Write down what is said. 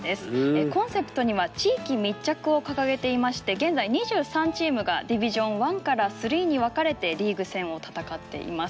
コンセプトには地域密着を掲げていまして現在２３チームがディビジョン１から３に分かれてリーグ戦を戦っています。